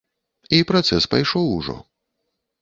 І працэс пайшоў ўжо.